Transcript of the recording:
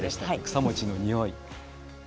草餅のにおい。